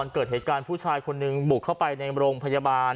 เกิดเหตุการณ์ผู้ชายคนหนึ่งบุกเข้าไปในโรงพยาบาล